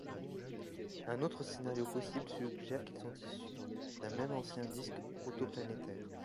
Un autre scenario possible suggère qu'ils sont issus d'un même ancien disque protoplanétaire.